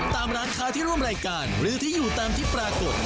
ตามร้านค้าที่ร่วมรายการหรือที่อยู่ตามที่ปรากฏ